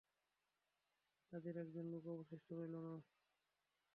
তাদের একজন লোকও অবশিষ্ট রইলো না।